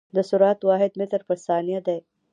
د سرعت واحد متر پر ثانیه دی.